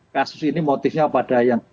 kasus ini motifnya pada yang